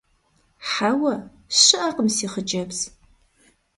Хьэуэ, щыӏэкъым, си хъыджэбз.